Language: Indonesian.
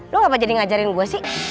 lo gak apa jadi ngajarin gue sih